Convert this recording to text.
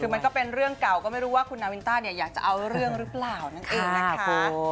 คือมันก็เป็นเรื่องเก่าก็ไม่รู้ว่าคุณนาวินต้าเนี่ยอยากจะเอาเรื่องหรือเปล่านั่นเองนะคะ